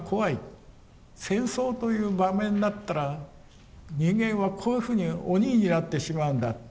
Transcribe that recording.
戦争という場面になったら人間はこういうふうに鬼になってしまうんだ。